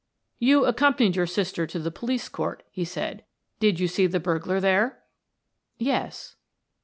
"You accompanied your sister to the police court," he said. "Did you see the burglar there?" "Yes."